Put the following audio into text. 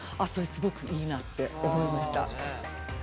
すごくいいなって思いました。